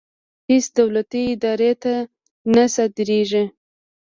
هېڅ دولتي ادارې ته نه صادرېږي.